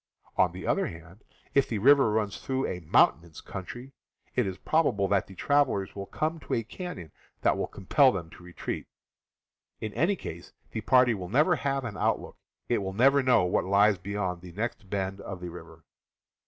On the other hand, if the river runs through a mountainous country, it is probable that the travelers will come to a canon that will compel them to retreat. In any case, the party will never have an outlook; it will never know what lies beyond the next bend of the river.